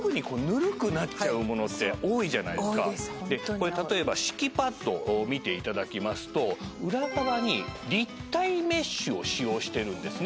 これ例えば敷きパッドを見ていただきますと裏側に立体メッシュを使用してるんですね。